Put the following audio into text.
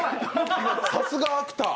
さすがアクター。